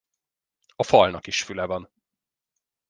A falnak is füle van.